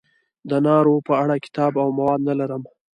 د نارو په اړه کتاب او مواد نه لرم.